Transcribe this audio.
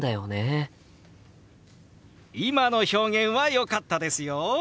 今の表現はよかったですよ！